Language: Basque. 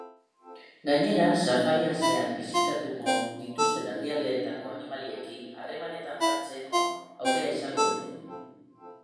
Gainera, safarian zehar bisitatuko dituzten herrialdeetako animaliekin harremanetan jartzeko aukera izango dute.